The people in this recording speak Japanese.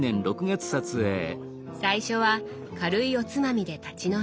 最初は軽いおつまみで立ち飲み。